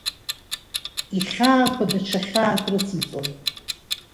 Ихьаақәа даҽа хьаак рыциҵон.